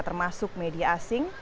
termasuk media asing